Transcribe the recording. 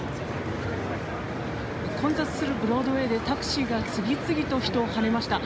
混雑するブロードウェーでタクシーが次々と人をはねました。